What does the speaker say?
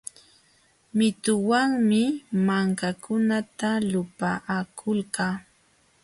Mituwanmi mankakunata lupaakulqa.